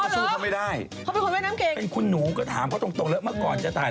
ซ่อมนี่นั่งยงรอบไม่ได้